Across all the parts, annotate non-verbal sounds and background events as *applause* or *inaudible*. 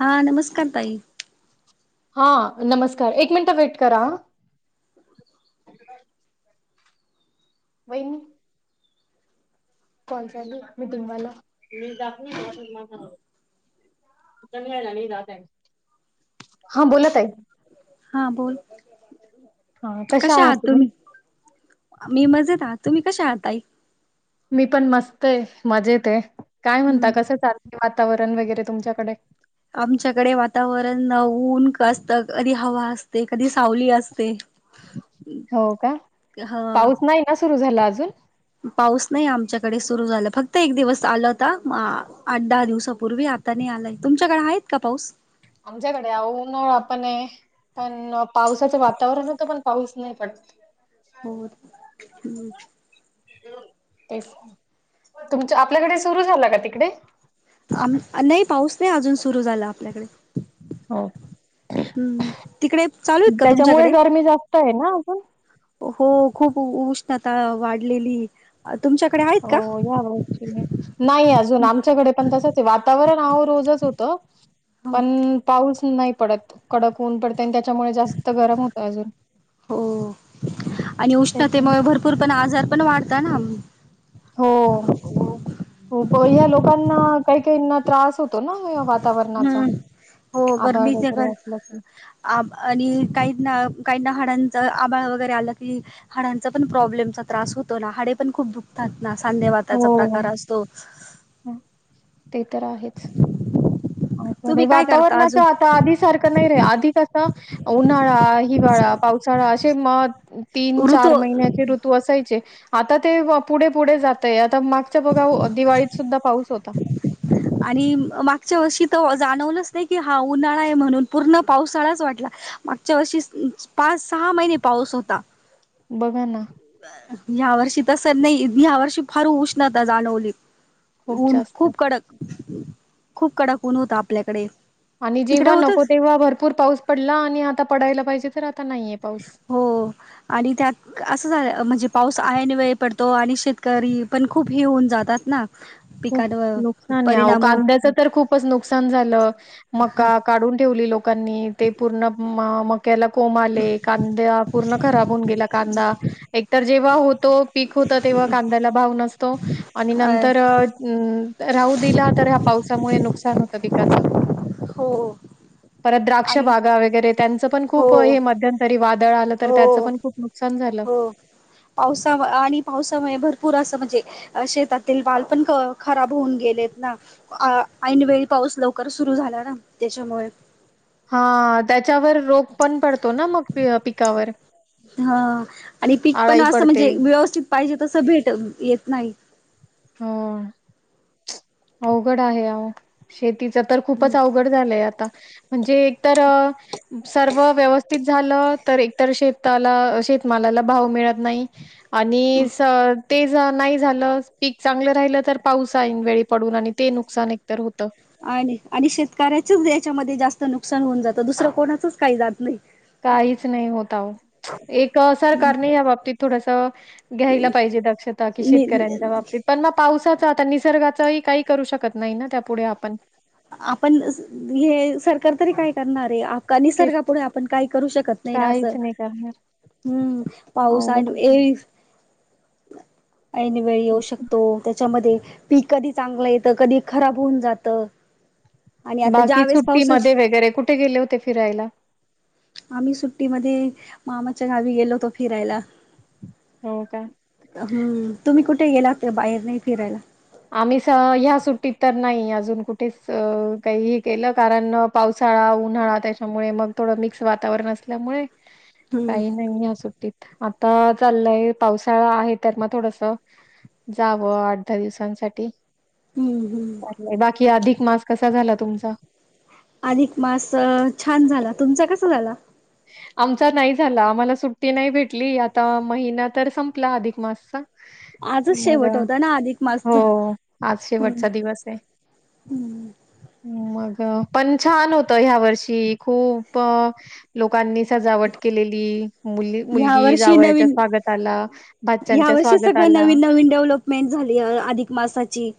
हा नमस्कार ताई हा नमस्कार एक मिनिट वेट करा बहिनी कॉलल मी तुम्हाला हा बोलत आहे हा बोल कश आहात तुम्ही मी मजेत आहात तुम्ही कशा आाताई मी पण मस्त आहे मजेत आहे काय म्हणता हम्म कसं चालते वातावरण वगैरे तुमच्याकडे आमच्याकडे वातावरण ऊन असत कधी हवा असते कधी सावली असते हो का ह पाऊस नाही ना सुरू झाला अजून पाऊस नाही आमच्याकडे सुरू झाला फक्त एक दिवस आलंता आठ दहा दिवसापूर्वी आता नाही आलाय तुमच्याकडे आहेत का पाऊस आमच्याकडे अनळा पण आहे पण पावसाचं वातावरण होतं पण पाऊस नाही पडत होर हम्म तेच तुमच आपल्याकडे सुरु झाला का तिकडे आम नाही पाऊस नाही अजून सुरू झाला आपल्याकडे हो हम्म तिकडे चालू आहेत का त्याच्यामुळे तुमच्याकडे गर्मी जास्त आहे ना अण हो खूप उष्णता वाढलेली तुमच्याकडे आहेत का हो या नाही अजून आमच्याकडे पण तसच वातावरण नाव रोजच होतं पण पाऊस नाही पडत कडक होऊन पडते आणि त्याच्यामुळे जास्त गरम होत अजून हो आणि तेच नाही उष्णतेमुळे भरपूर पण आजार पण वाढता ना हो प ह्या लोकांना काही काहीना त्रास होतो ना वातावरणाचा हम हो आभाळ गरमीच वगैरे असलं की आणि काही ना काही ना हाडांचा आबाळ वगैरे आलं की हाडांचा पण प्रॉब्लेमचा त्रास होतो ना हाडे पण खूप दुखतात ना सांधेवाताचा हो प्रकार असतो ते तर आहेच अछ नाही तुम्ही काय करता वातावरणाच अजून आता आधी सारखं नाही रे आधी कस णार वाळा पावसाळा ते मग तीन ऋतू चार महिन्याचे ऋतू असायचे आता ते पुढे पुढे जात या तर मागच्या बघा दिवाळीत सुद्धा पाऊस होता आणि मागच्या वर्षी तर जाणवलंच नाही कि हा उन्हाळा आहे म्हणून पूर्ण पावसाळाच वाटला मागच्या वर्षी पाच सहा महिने पाऊस होता बघान या वर्षी तस नाही या वर्षी फार उष्णता जाणवली खूप ऊन जास्त खूप कडक खूप कडाकण होता आपल्याकडे आणि तिकडे जेव्हा नको होतच तेव्हा भरपूर पाऊस पडला आणि आता पडायला पाहिजे तर आता नाहीये पाऊस. हो आणि त्यात असं झालं म्हणजे पाऊस आहे आणि वेळ पडतो आणि शेतकरी पण खूप हे होऊन जातात ना खूप पिकांवर नुकसान आहे परिणाम कांद्याच तर खूपच नुकसान झालं मका काढून ठेवली लोकांनी ते पूर्ण म त्याला कोम आले कांद्या पूर्ण खराब होऊन गेला कांदा एक तर जेव्हा होतो पक होतं तेव्हा कांद्याला भाव नसत तो आणि अ नंतर ह राहू दिला तर पावसामुळे नुकसान होतं पिकाचं हो परत द्राक्ष आणि बागा वगैरे त्यांचं पण हो खूप हे मध्यंतरी वादळ आलं तर त्याचं हो पण खूप नुकसान झालं हो पावसा आणि पावसामुळे भरपूर असं म्हणजे अ शेतातील वाल पण खराब होऊन गेलेत ना? ऐनवेळी पाऊस लवकर सुरू झाला ना? त्याच्यामुळे. हा- त्याच्यावर रोग- पण पडतो ना मग पिकावर. हा आणि पीक पण आळाई असं पडते म्हणजे व्यवस्थित पाहिजे तसं भेट- येत नाही. हो -अवघड आहे अहो. श- तिचं तर खूपच अवघड झालंय आता. म्हणजे एक तर- सर्व व्यवस्थित झालं तर, एकतर शेताला, शेतमालाला भाव मिळत नाही- आणि -ते- नाही झालं- पीक चांगलं राहिलं तर पाऊस ऐन वेळी पडून आणि ते नुकसान एकतर होतं. आणि -आणि शेतकऱ्याचच याच्यामध्ये जास्त नुकसान होऊन जातं. दुसरं कोणाचच काही जात नाही. काहीच नाही होत अहो. एक सरकारने या बाबतीत थोडस घ्यायला पाहिजे दक्षता की शेतकऱ्यांच्या बाबतीत. पण म पावसात- आता निसर्गाचही काही करू शकत नाही ना त्या पुुढे आपण- आपण- हे सरकार तरी काय करणार आहे? का ते निसर्गापुढे आपण काही करू शकत नाही ना असं? काहीच नाही करणार हम् -पाऊस अवघड आणि आहे. ये- ऐन वेळी येऊ शकतो, त्या- त्यामध्ये पीक कधी चांगलं येत, कधी खराब होऊन जात. बाकी सुट्टी मध्ये वगैरे कुठे गेले होते फिरायला आम्ही सुट्टीमध्ये मामाच्या गावी गेलो होतो फिरायला. हो का? हम्म. तुम्ही कुठ - कुठे गेला? तर बाहेर नाही फिरायला- आम्ही ह्या सुट्टीत तर नाही अजून कुठेच अं काहीही केलं कारण पाऊ- सळा, उन्हाळा त्याच्यामुळे मग- थोडं मिक्स वातावरण असल्यामुळे- हम्म काही नाही या सुट्टीत. आता चाललंय पावसाळा आहे तर म थोडस जावं आठ दहा दिवसांच- साठी- हम्म हम्म बाकी अधिक मास कसा झाला? तुमचा? अधिक मास छान झाला. तुमचा कसा झाला? आमचा नाही झाला. आम्हाला सुट्टी नाही भेटली, आता महिना तर संपला अधिक मासचा. आजच मग शेवट अ, होता ना? अधिक मासचा. हो, आज हम् शेवटचा दिवस आहे. हम्. मग- पण छान होत ह्या वर्षी खूप- लोकांनी सजावट केलेली, मु ह्या मुलगी वर्षी जावयाच्या नवीन स्वागताला, ह्या भाच्याच्या वर्षी सगळं स्वागताला. नवीन नवीन डेव्हलपमेंट झाली अधिक मासाची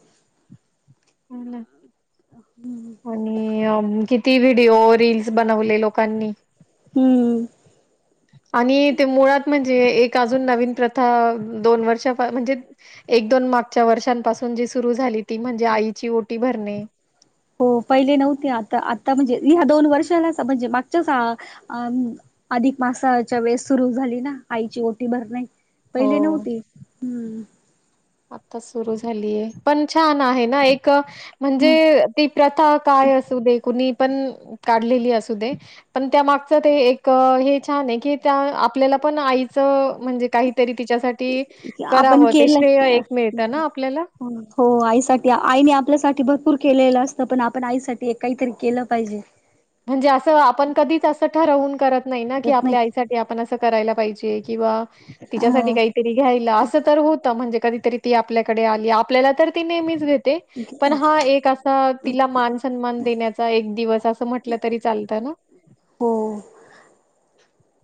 ह. आणि- कि- ती व्हिडिओ रीलस बनवले लोकांनी हम्म आणि ते मुळात म्हणजे एक अजून नवीन प्रथा दोन वर्षा म्हणजे एक दोन मागच्या वर्षांपासून जी सुरू झाली. म्हणजे आईची ओटी भर णे हो पहिले नव्हते आता आता म्हणजे ह्या दोन वर्षालाच म्हणजे मागच्याच अधिक मासाच्या वेस सुरू झाली ना आईची ओटी भर नाही पहिले हो नव्हते आता सुरू झालीय पण छान आहे ना एक म्हणजे हम्म ती प्रथा काय असू दे कुणी पण काढलेली असू दे पण त्या मागच ते एक हे छान आहे की त्या आपल्याला पण आईच म्हणजे काही तरी तिच्यासाठी आपण कराव ते केलंय एक मिळतं ना आपल्याला. हो आई साठी आईने आपल्यासाठी की भरपूर केलेलं असतं पण आपण आई साठी काहीतरी केलं पाहिजे. म्हणजे असं आपण कधीच असं ठरवून करत नाही ना की येत नाही आपल्या आईसाठी आपण अस स करायला पाहिजे किंवा अ तिच्यासाठी काहीतरी घ्यायला अस तर होत म्हणजे कधीतरी ती आपल्याकडे आली आपल्याला तर ती नेहमीच घेत ते पण हा एक असा तिला मान सन्मान देण्याचा एक दिवस अस म्हट दिलं तरी चालत ना. हो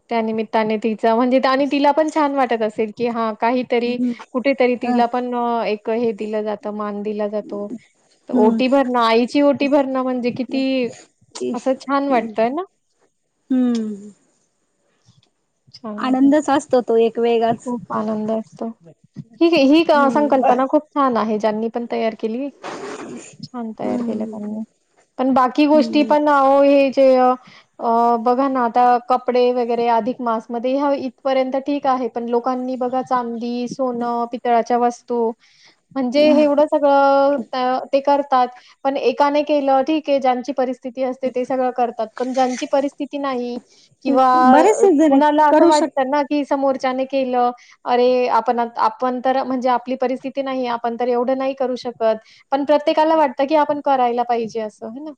त्यानमित्ताने तिचं म्हणजे त आणि तिला पण छान वाटत असेल की हा काहीतरी हम्म कुठेतरी अ तिला पण एक हे दिलं जात मान दिला जातो हम्म ओटी भरण आईची ओटी भरणं म्हणजे किती असं छान वाटतंय ना? हम्म *inaudible* आहे. आनंदच असतो तो एक वेगळाच. खूप आनंद असतो ही ही हम्म संकल्पना खूप छान आहे. त्यांनी पण तयार केली छान तयार केली हम्म त्यांनी पण बाकी गोष्टी हम्म आवो पण हे हे अ अ बघा ना आता कपडे वगैरे अधिक मास मध्ये ह्या इथपर्यंत ठीक आहेत पण लोकांनी बघा चांदी सोनं पितळाच्या वस्त स्तू म्हणजे हे एवढ सगळ अ त ते करतात पण एकाने केलं ठीक आहे पण ज्यांची परिस स्थिती असते ते सगळं करतात पण ज्यांची परिस्थिती नाही किंवा बरेचसे जण कुणाला असं करू शकत वाटतं ना की समोर त्याने केलं अरे आपण आत आपण तर म्हणजे आपली परिस्थिती नाही आपण तर एवढं नाही करू शकत पण प्रत्येकाला वाटत की आपण करायला पाहिजे अस हे ना.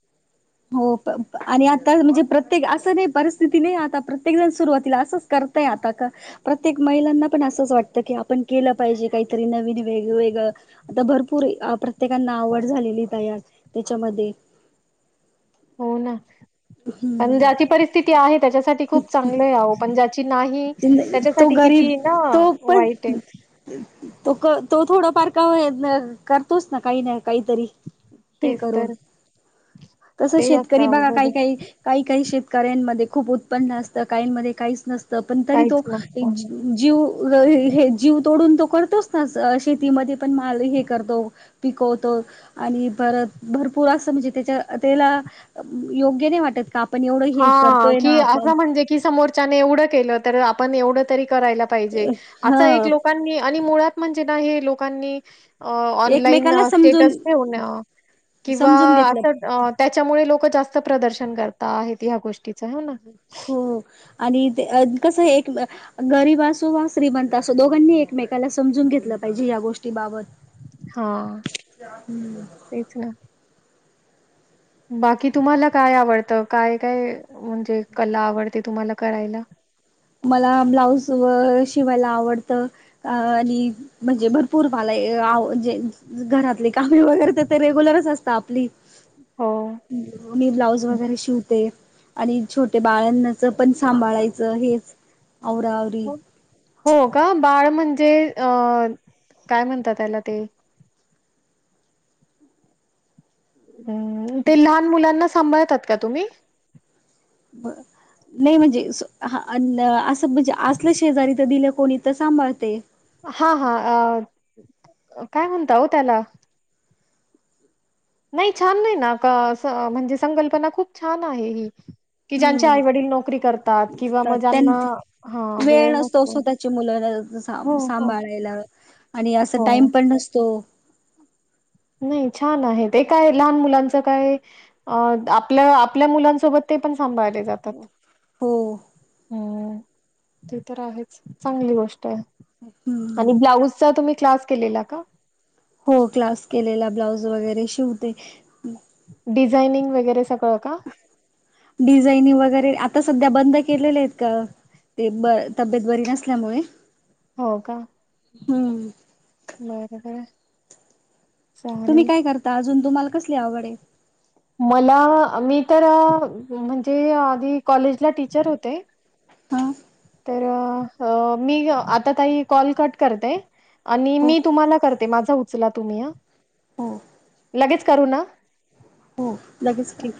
हो प आणि आता म्हणजे प्रत्येक असं नाही परिस्थिती नाही. आता प्रत्येक जण सुरुवातीला असंच करतय. आता का प्रत्येक महिलांना पण असंच वाटतं की आपण केलं पाहिजे काहीतरी. नवीन वेगवेेगळं आता भरपूर प्रत्येकांना आवड झालेली तयार. त्याच्यामध्ये हो ना पण ज्याची परिस्थिती आहे त्याच्यासाठी खूप चांगल आहे अहो पण ज्याची नाही तो त्याच्यासाठी गरीब किती ना तो पण वाईट आहे. तो क तो थोडं फार का होई ना करतोच ना काही ना काहीतरी. हे तेच करून तर कस ते जास्त शेतकरी बघा अवघड काही आहे काही काही काही शेत करेन मध्ये खूप उतपन्न असतं. काहीं मध्ये काहीच नसतं. पण तरी काहीच तो जी नसतं. जीव हे जीव तोडून तो करतोच ना शेतीमध्ये पण माल हे करतो पिकवतो. आणि परत भरपूर असं म्हणजे त्याच्या त्याला योग्य नाही वाटत का पण एवढं हे करतोय ना हो म्हणजे कि समोरच्याने एवढं केल तर आपण एवढ तरी करायला पाहिजे. अस एक ह लोकांनी आणि मुळात म्हणजे ना हे लोकांनी ऑनलाईन एकमेकाला समजून स्टेटस ठेऊन किंवा समजून घेतलं अस त्याच्यामुळे लोक लोक जास्त प्रदर्शन करता आहेत. ह्या गोष्टीत हो आणि ते कसं एक गरीब असो वा श्रीमंत असो दोघांनी एकमेकाला समजून घेतलं पाहिजे या गोष्टीबाबत. हा तेच ना. बाकी तुम्हाला काय आवडतं काय काय म्हणजे कला आवडते तुम्हाला करायला. मला ब्लाऊज व शिवायला आवडत. आणि म्हणजे भरपूर मला आव जे घरातले काम वगैरे तर ते रेगुलरच अस तापली हो. मी ब्लाऊज शिवते आणि छोट्या बाळांनाच पण सांभाळायचं हेच औरा आवरी हो हो का? बाळ म्हणजे अ काय म्हणतात त्याला ते हम्म ते लहान मुलांना सांभाळतात का तुम्ही. नाही म्हणजे असं हा ल आस म्हणजे असलं शेजारी तर दिलं कोणी तर सांभाळते. हा हा अ काय म्हणत हो त्याला नाही छान नाही ना का म्हणजे संकल्पना खूप छान आहे ही की ज्यांचे आई-वडील नोकरी करतात हम्म किंवा मग त्यां ज्यांना वेळ नसतो स्वतःच्या मुलाना हो, हो, सांभाळायला आणि असा हो. टाइम पण नसतो नाही छान आहे ते काय लहान मुलांचं काय आपल्या आपल्या मुलांसोबत ते पण थांभाळले जातात हो हम्म ते तर आहेच चांगली गोष्ट आहे हम्म आणि ब्लाऊज तुम्ही क्लास केलेला का हो क्लास केलेला ब्लाऊज वगैरे शिवते. डिझाइनिंग वगैरे - डिझानिंग वगैरे आ - आता सध्या बंद केलेले आहेत क-अ-ते-ब-तब्येत बरी नसल्यामुळे. हो का.. हम्म बरं बरं. तुम्ही काय करता अजून. तुम्हाला कसली आवड आहे? मला... अमी- तर अ... म्हणजे अ... आधी कॉलेजला टीचर होते. हा तर अ... मी अ.. अ आता ताई कॉल कट करते आणि हो मी तुम्हाला करते. माझा उचला तुम्ही...... हो लगेच करू ना? हो लगेच करा... ठीक